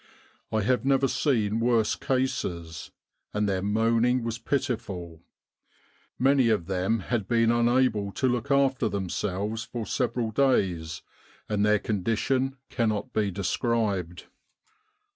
I have never seen worse cases, and their moaning was pitiful; many of them had been unable to look after themselves for several days, and their condition cannot be described.